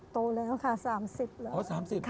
โตแล้วค่ะ๓๐แล้ว